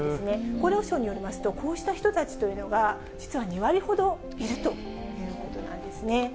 厚労省によりますと、こうした人たちというのが、実は２割ほどいるということなんですね。